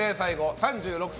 ３６歳